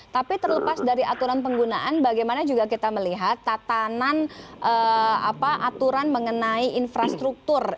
tapi terlepas dari aturan penggunaan bagaimana juga kita melihat tatanan aturan mengenai infrastruktur